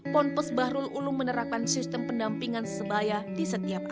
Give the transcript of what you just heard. pondok pesantren bahrul ulum menerapkan sistem yang bijak backup untuk penampilan auntari di setiap asrama